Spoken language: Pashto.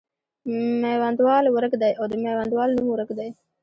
میوندوال ورک دی او د میوندوال نوم ورک دی.